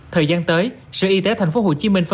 thời gian tới sở y tế tp hcm